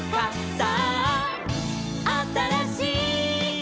「さああたらしい」